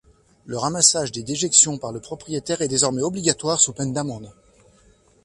Le ramassage des déjections par le propriétaire est désormais obligatoire sous peine d'amende.